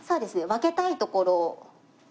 分けたいところを。